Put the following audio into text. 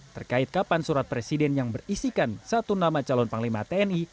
terkait kapan surat presiden yang berisikan satu nama calon panglima tni